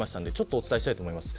お伝えしたいと思います。